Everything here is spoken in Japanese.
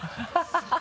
ハハハ